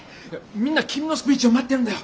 みんな君のスピーチを待ってるんだよ！